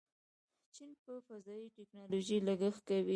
چین په فضایي ټیکنالوژۍ لګښت کوي.